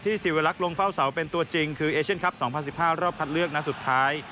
ศิวลักษ์ลงเฝ้าเสาเป็นตัวจริงคือเอเชียนคลับ๒๐๑๕รอบคัดเลือกนัดสุดท้าย